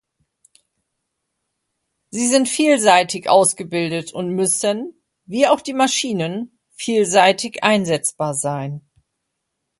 Sie sind vielseitig ausgebildet und müssen, wie auch die Maschinen, vielseitig einsetzbar sein.